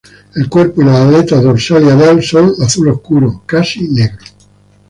El cuerpo y las aletas dorsal y anal son azul oscuro, casi negro.